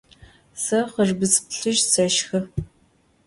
Se xhırbıdz plhıj seşşxı.